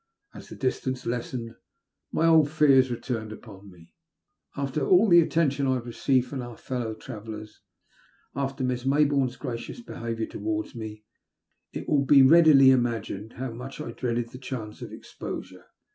As the distance lessened my old fears returned upon me. After all the attention I had received from our fellow travellers, after Miss Mayboume*s gracious behaviour towards me, it will be readily imagined how much I dreaded the chance of exposure.